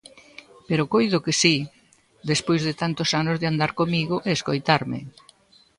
Pero coido que si!, despois de tantos anos de andar comigo e escoitarme.